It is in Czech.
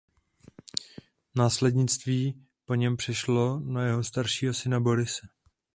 Následnictví po něm přešlo na jeho staršího syna Borise.